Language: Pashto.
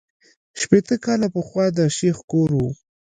شپېته کاله پخوا د شیخ کور وو.